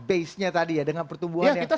basenya tadi ya dengan pertumbuhan yang cukup baik